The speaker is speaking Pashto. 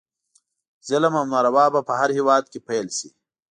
ظلم او ناروا به په هر هیواد کې پیل شي.